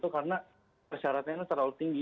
karena persyaratannya terlalu tinggi